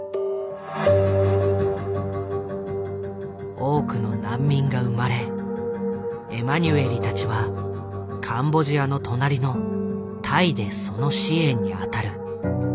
多くの難民が生まれエマニュエリたちはカンボジアの隣のタイでその支援に当たる。